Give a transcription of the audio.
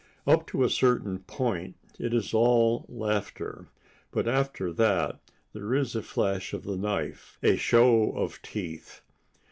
Up to a certain point it is all laughter, but after that there is a flash of the knife, a show of teeth.